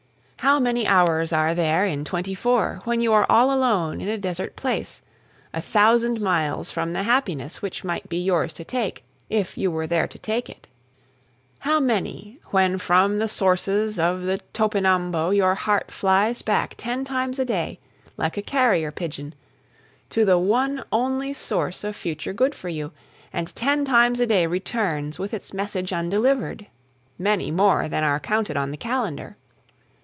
How many hours are there in twenty four when you are all alone in a desert place, a thousand miles from the happiness which might be yours to take if you were there to take it? How many, when from the sources of the Topinambo your heart flies back ten times a day, like a carrier pigeon, to the one only source of future good for you, and ten times a day returns with its message undelivered? Many more than are counted on the calendar.